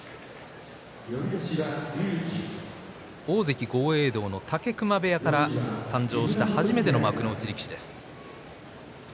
大関豪栄道の武隈部屋から誕生した初めての幕内力士です。